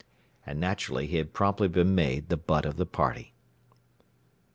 And naturally he had promptly been made the butt of the party.